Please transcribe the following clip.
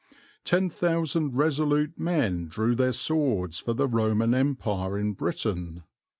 Ten thousand resolute men drew their swords for the Roman Empire in Britain.